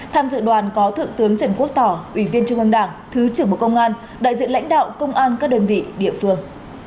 tham dự đoàn có thượng tướng trần quốc tỏ ủy viên trung an đảng thứ trưởng bộ công an đại diện lãnh đạo công an các đơn vị địa phương